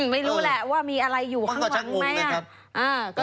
ไม่รู้แหละว่ามีอะไรอยู่ข้างบนไหมครับ